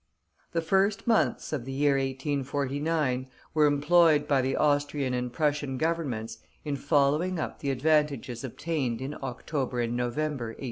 The first months of the year 1849 were employed by the Austrian and Prussian Governments in following up the advantages obtained in October and November, 1848.